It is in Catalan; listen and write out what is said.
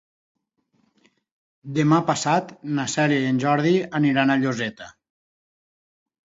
Demà passat na Cèlia i en Jordi aniran a Lloseta.